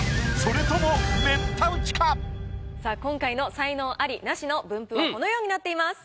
さあ今回の才能アリ・ナシの分布はこのようになっています。